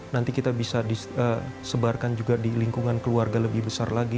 nanti kita bisa disebarkan juga di lingkungan keluarga lebih besar lagi